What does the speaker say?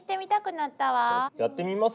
やってみます？